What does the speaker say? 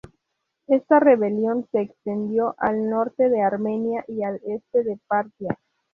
Esta rebelión se extendió al norte de Armenia y al este de Partia.